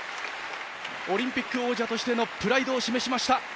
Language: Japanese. オリンピック王者としてのプライドを示しました。